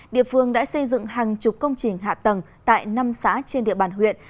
địa phương đã xây dựng hàng chục công trình hạ tầng tại năm xã trên địa bàn huyện